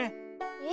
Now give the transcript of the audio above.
え？